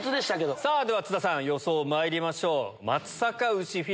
では津田さん予想まいりましょう。